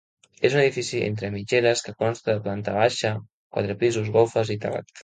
És un edifici entre mitgeres que consta de planta baixa, quatre pisos, golfes i terrat.